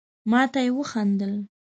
ما ته يي وخندل.